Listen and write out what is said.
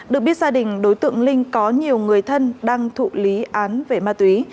được biết gia đình đối tượng linh có nhiều người thân đang thụ lý án về ma túy